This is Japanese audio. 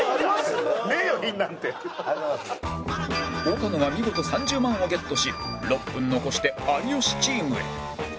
岡野が見事３０万をゲットし６分残して有吉チームへ